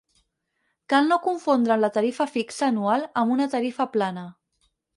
Cal no confondre la tarifa fixa anual amb una tarifa plana.